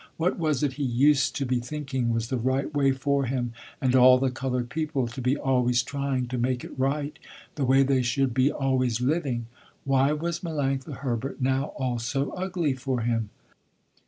What was it he used to be thinking was the right way for him and all the colored people to be always trying to make it right, the way they should be always living? Why was Melanctha Herbert now all so ugly for him?